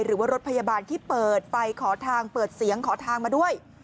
หรือว่ารถพยาบาลที่เปิดไฟขอทางเปิดเสียงขอทางมาด้วย